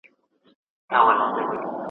د پولیو واکسین ډیر مهم دی.